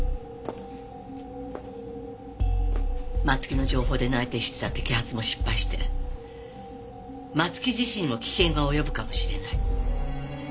松木の情報で内偵してた摘発も失敗して松木自身にも危険が及ぶかもしれない。